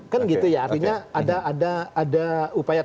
kan gitu ya artinya ada upaya